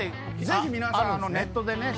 ぜひ皆さんネットでね。